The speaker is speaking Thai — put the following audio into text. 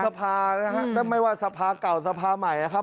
คือสภานะครับไม่ว่าสภาเก่าสภาใหม่นะครับ